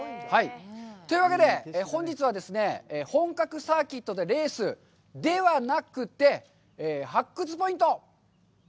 というわけで、本日はですね、本格サーキットでレースではなくて、発掘ポイント！